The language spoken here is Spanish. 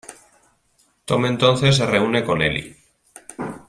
Tom entonces se reúne con Ellie.